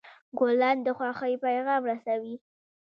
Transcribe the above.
ګلان د خوښۍ پیغام رسوي.